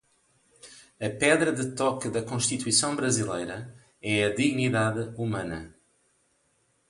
A pedra de toque de Constituição brasileira é a dignidade humana.